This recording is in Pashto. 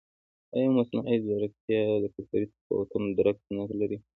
ایا مصنوعي ځیرکتیا د کلتوري تفاوتونو درک نه لري؟